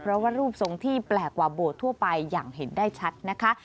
เพราะว่ารูปทรงที่แปลกกว่าโบสถทั่วไปอย่างเห็นได้ชัดนะคะ